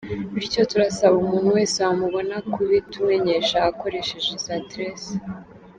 Bityo turasaba umuntu wese wamubona kubitumenyesha akoresheje izi address:.